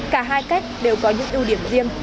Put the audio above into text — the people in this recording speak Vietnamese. cách đều có những ưu điểm riêng